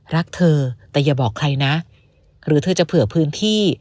รักเธอแต่อย่าบอกใครนะหรือเธอจะเผื่อพื้นที่